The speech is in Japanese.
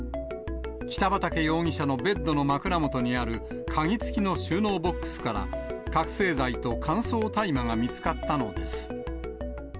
北畠容疑者のベッドの枕元にある鍵付きの収納ボックスから覚醒剤と乾燥大麻が見つかったのです。